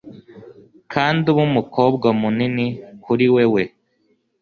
kandi ube umukobwa munini kuri wewe